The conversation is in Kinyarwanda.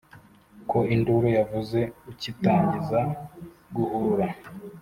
Ko induru yavuze ukitangiza guhurura